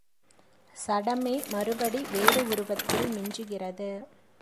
சடமே மறுபடி வேறு உருவத்தில் மிஞ்சுகிறது.